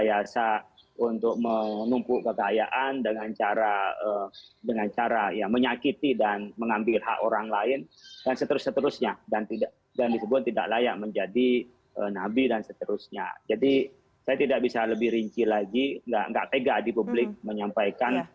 apa yang masuk dalam hal ini